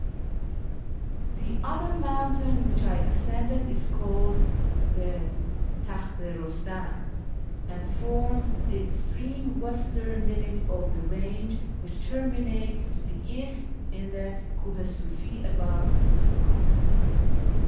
The other mountain which I ascended is called the Takht i Rustam, and forms the extreme western limit of the range which terminates to the east in the Kuh i Sufi above described.